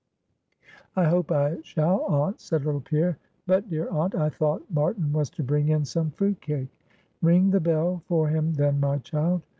"I hope I shall, aunt," said little Pierre "But, dear aunt, I thought Marten was to bring in some fruit cake?" "Ring the bell for him, then, my child."